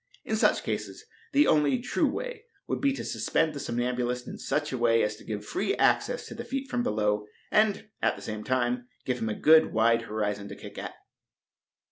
In such cases, the only true way would be to suspend the somnambulist in such a way as to give free access to the feet from below, and, at the same time, give him a good, wide horizon to kick at.